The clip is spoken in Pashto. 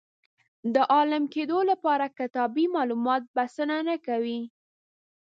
د عالم کېدو لپاره کتابي معلومات بسنه نه کوي.